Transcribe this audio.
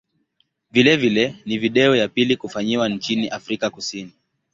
Vilevile ni video ya pili kufanyiwa nchini Afrika Kusini.